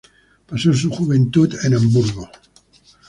Pasó su juventud en Hamburgo.